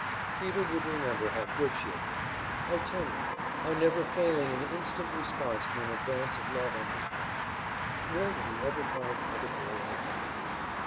Peter would remember how good she had been, how tender, how never failing in instant response to an advance of love on his part. Where would he ever find another girl like that?